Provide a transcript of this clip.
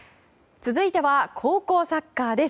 続いては高校サッカーです。